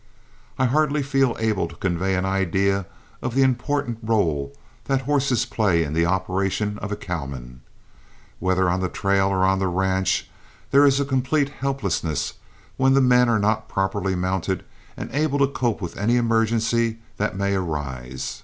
I hardly feel able to convey an idea of the important rôle that the horses play in the operations of a cowman. Whether on the trail or on the ranch, there is a complete helplessness when the men are not properly mounted and able to cope with any emergency that may arise.